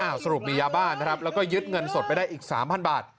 สรุปมียาบ้านนะครับแล้วก็ยึดเงินสดไปได้อีก๓๐๐บาท